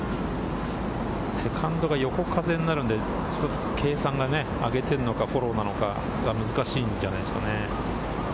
セカンドが横風になるので、ちょっと計算で上げてるのかフォローなのか難しいんじゃないんですかね。